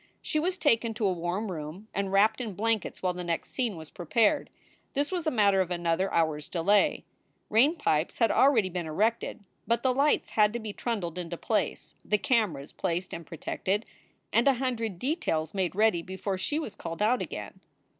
She was taken to a warm room and WTapped in blankets while the next scene was prepared. This was a matter of another hour s delay. Rain pipes had already been erected, but the lights had to be trundled into place, the cameras placed and protected, and a hundred details made ready before she was called out again.